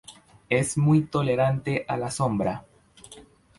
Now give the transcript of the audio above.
Es muy tolerante a la sombra.